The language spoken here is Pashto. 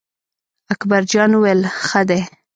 اکبر جان وویل: ښه دی.